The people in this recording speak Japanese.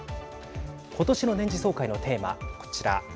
今年の年次総会のテーマこちら。